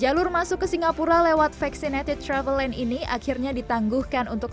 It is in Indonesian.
jalur masuk ke singapura lewat vaccinated traveled ini akhirnya ditangguhkan untuk